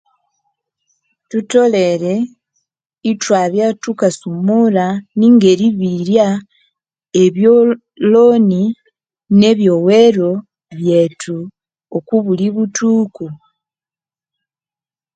Thutholere ithwabya ithuka sumura ninga eribirya ebyoloni nebyowero byethu okwa buli buthuku.